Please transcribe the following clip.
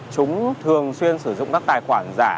chúng thường xuyên sử dụng các tài khoản giả